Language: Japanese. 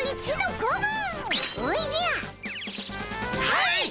はい！